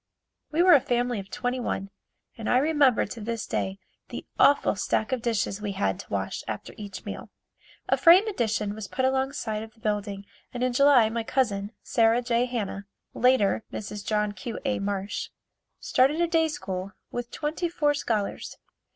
We were a family of twenty one and I remember to this day the awful stack of dishes we had to wash after each meal. A frame addition was put along side of the building and in July my cousin, Sarah J. Hanna (later Mrs. John Q. A. Marsh) started a day school with twenty four scholars.